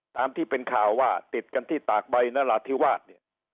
ตามที่เป็นข่าวว่าติดกันที่ตากใบนราธิวาสเนี่ย